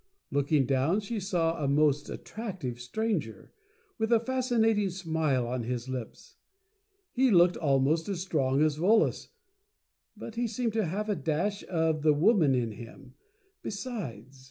Looking down she saw a most attractive stranger, with a fascinating smile on his lips. He looked almost as strong as Volos, but he seemed to have a Dash of the Woman in him, be sides.